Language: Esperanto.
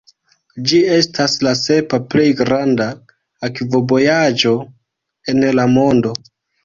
Ĝi estas la sepa plej granda akvobaraĵo en la mondo.